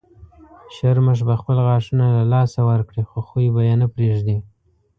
شرمښ به خپل غاښونه له لاسه ورکړي خو خوی به یې نه پرېږدي.